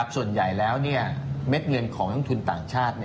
ส่วนใหญ่แล้วเม็ดเงินของนักทุนต่างชาติ